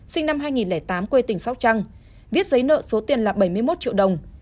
sinh năm hai nghìn tám quê tỉnh sóc trăng viết giấy nợ số tiền là bảy mươi một triệu đồng